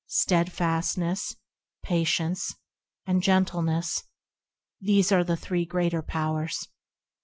Steadfastness, Patience, and Gentleness– These are the three greater powers.